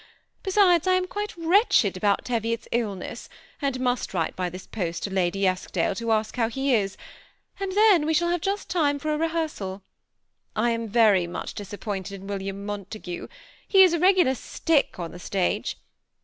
Besides, I am quite wretched about Teviot's illness, and must write by this post to Lady Eskdale, to ask how he is, and then we shall just have time for a rehearsal. I am very much disappointed in William Montague ; he is a regular stick on the stage.